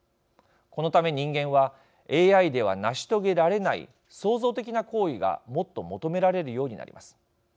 このため、人間はＡＩでは成し遂げられない創造的な行為がもっと求められるようになります。